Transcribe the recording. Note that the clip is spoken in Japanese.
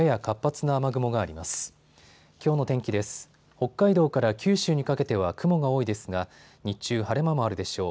北海道から九州にかけては雲が多いですが日中、晴れ間もあるでしょう。